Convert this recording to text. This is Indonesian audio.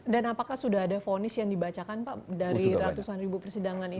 dan apakah sudah ada fonis yang dibacakan pak dari ratusan ribu persidangan itu